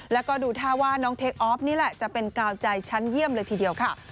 แล้วก็ดูท่าว่าน้องเทคออฟนี่แหละจะเป็นกาวใจชั้นเยี่ยมเลยทีเดียวค่ะ